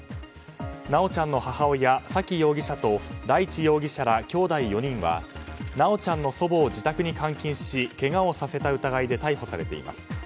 修ちゃんの母親・沙喜容疑者と大地容疑者らきょうだい４人は修ちゃんの祖母を自宅に監禁しけがをさせた疑いで逮捕されています。